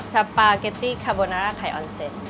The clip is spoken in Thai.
สปาเกตตี้คาโบนาไข่ออนเซ็ต